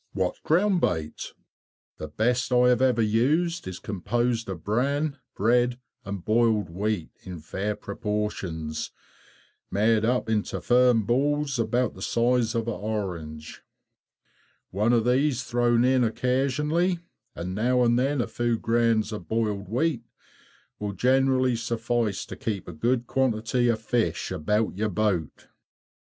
What ground bait_? The best I have ever used is composed of bran, bread, and boiled wheat, in fair proportions, made up into firm balls about the size of an orange. One of these thrown in occasionally, and now and then a few grains of boiled wheat will generally suffice to keep a good quantity of fish about your boat. _7.